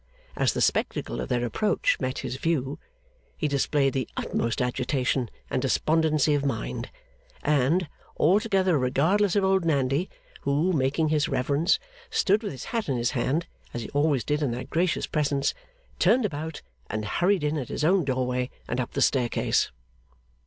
As the spectacle of their approach met his view, he displayed the utmost agitation and despondency of mind; and altogether regardless of Old Nandy, who, making his reverence, stood with his hat in his hand, as he always did in that gracious presence turned about, and hurried in at his own doorway and up the staircase.